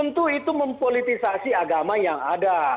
tentu itu mempolitisasi agama yang ada